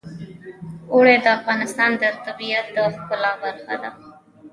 اوړي د افغانستان د طبیعت د ښکلا برخه ده.